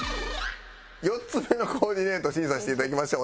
４つ目のコーディネート審査していただきましょう。